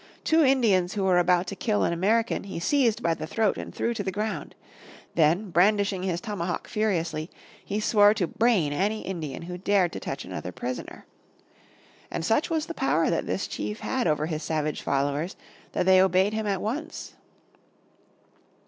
Two Indians who were about to kill an American he seized by the throat and threw to the ground. Then, brandishing his tomahawk furiously, he swore to brain any Indian who dared to touch another prisoner. And such was the power that this chief had over his savage followers that they obeyed him at once.